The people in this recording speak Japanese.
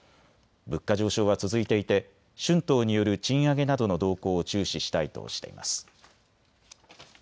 物価上昇は続いていて春闘による賃上げなどの動向を注視したいとしています。